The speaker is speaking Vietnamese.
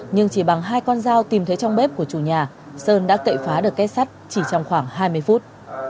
nhưng chỉ bằng hai con dao tìm thấy trong bếp của chủ nhà sơn đã cậy phá được kết sắt chỉ trong khoảng hai mươi phút